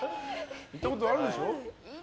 行ったことあるでしょ？